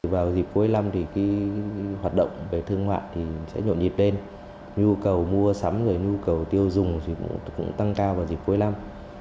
vào dịp cuối năm thì hoạt động về thương mại sẽ nhộn nhịp lên nhu cầu mua sắm và nhu cầu tiêu dùng cũng tăng cao vào dịp cuối năm